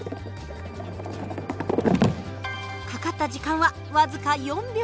かかった時間は僅か４秒。